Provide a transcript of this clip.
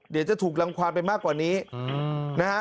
เดี๋ยวจะถูกรังความไปมากกว่านี้นะฮะ